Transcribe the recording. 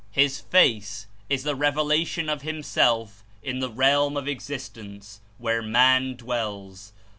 .His "Face" Is the revelation of Himself in ^he realm of existence, where man dwells.